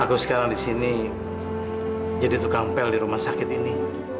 aku sekarang di sini jadi tukang pel di rumah sakit ini